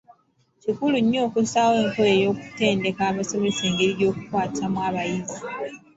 Kikulu nnyo okussaawo enkola ey’okutendeka abasomesa engeri y’okukwatamu abayizi.